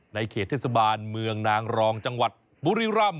เขตเทศบาลเมืองนางรองจังหวัดบุรีรำ